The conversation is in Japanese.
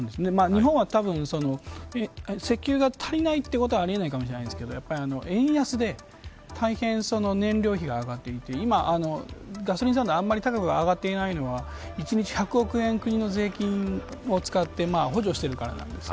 日本はたぶん石油が足りないということはありえないかもしれないですけど円安で大変燃料費が上がっていて今ガソリン価格があんまり高く上がっていないのは１日１００億円国の税金を使って補助しているからなんです。